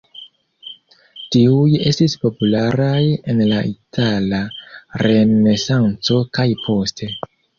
Tiuj estis popularaj en la Itala Renesanco kaj poste.